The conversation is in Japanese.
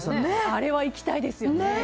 あれは行きたいですよね。